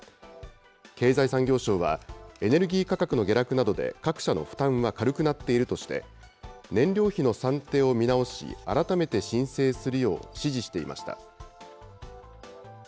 経済産業省はエネルギー価格の下落などで各社の負担は軽くなっているとして、燃料費の算定を見直し、改めて申請するよう指示していました。